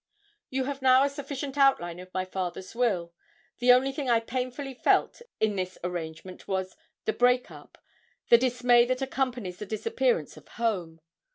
You have now a sufficient outline of my father's will. The only thing I painfully felt in this arrangement was, the break up the dismay that accompanies the disappearance of home.